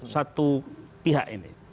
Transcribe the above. satu pihak ini